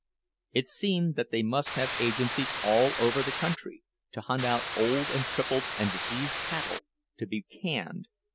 It seemed that they must have agencies all over the country, to hunt out old and crippled and diseased cattle to be canned.